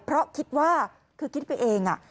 เพราะคิดว่าคือคิดไปเอง